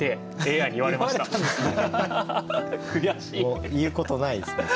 もう言うことないですね。